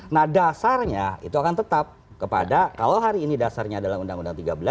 nah dasarnya itu akan tetap kepada kalau hari ini dasarnya adalah undang undang tiga belas